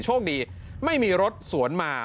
โชคดีไม่มีรถสวนมา